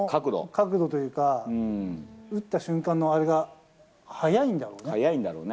角度というか、打った瞬間の速いんだろうね。